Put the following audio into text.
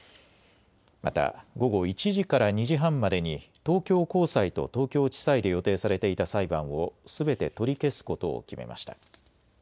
また午後１時から２時半までに東京高裁と東京地裁で予定されていた裁判をすべて取り消すことを決めました。